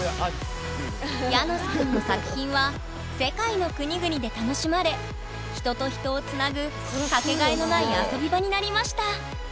ヤノスくんの作品は世界の国々で楽しまれ人と人をつなぐ掛けがえのない遊び場になりました